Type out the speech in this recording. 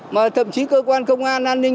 mà thậm chí cơ quan công an an ninh